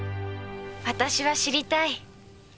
私は知りたい。